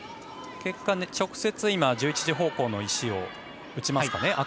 結果、直接１１時方向の石を打ちますかね。